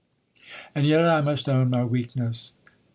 And yet I must own my weakness.